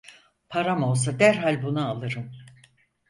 Param olsa derhal bunu alırım!